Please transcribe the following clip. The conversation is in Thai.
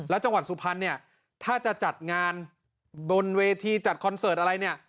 แล้วจังหวัดสุพรรณเนี่ยถ้าจะจัดงานบนเวทีจัดคอนเสิร์ตอะไรเนี่ย